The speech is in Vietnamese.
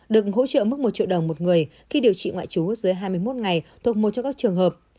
được hỗ trợ mức một triệu đồng một người khi điều trị ngoại trú dưới hai mươi một ngày thuộc một trong các trường hợp